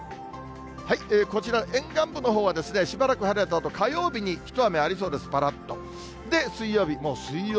こちら、沿岸部のほうはしばらく晴れたあと、火曜日に一雨ありそうです、ぱらっと。